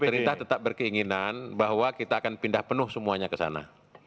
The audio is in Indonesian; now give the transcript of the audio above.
pemerintah tetap berkeinginan bahwa kita akan pindah penuh semuanya ke sana